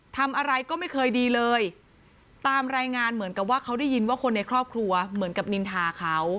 ทำอะไรก็ไม่เคยดีเลยตามรายงานเหมือนกับว่าเขาได้ยินว่าคนในครอบครัวเหมือนกับนินทาเขา